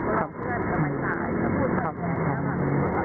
ไม่ให้แม่อยากแม่ไว้ไปส่งน้องอีกดีกว่า